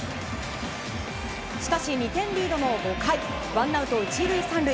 しかし、２点リードの５回ワンアウト１塁３塁。